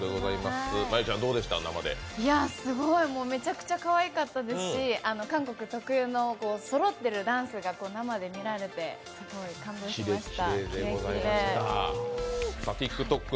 すごい、めちゃくちゃかわいかったですし韓国特有のそろってるダンスが生で見られて感動しました。